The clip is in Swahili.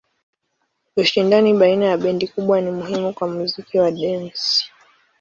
Ushindani baina ya bendi kubwa ni muhimu kwa muziki wa dansi.